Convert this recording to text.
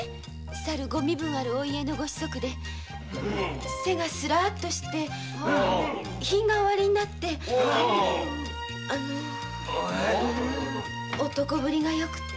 さるご身分のあるお家の御子息で背がすらっとして品がおありになってあの男ぶりがよくてそのくせ気さくな。